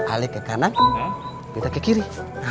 alik ke kanan bita ke kiri